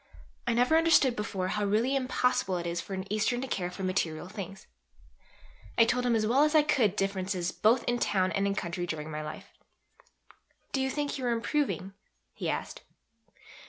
I never understood before how really impossible it is for an Eastern to care for material things. I told him as well as I could all the differences both in town and in country during my life. Do you think you are improving? he asked.